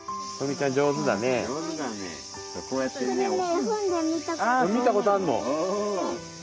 見たことあるの？